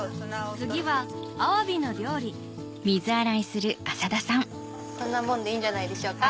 次はアワビの料理こんなもんでいいんじゃないでしょうか。